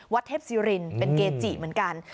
เทพศิรินเป็นเกจิเหมือนกัน